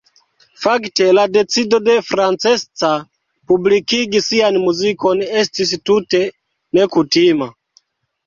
Fakte la decido de Francesca publikigi sian muzikon estis tute nekutima.